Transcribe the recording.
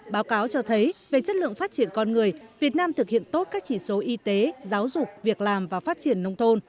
báo cáo cho thấy về chất lượng phát triển con người việt nam thực hiện tốt các chỉ số y tế giáo dục việc làm và phát triển nông thôn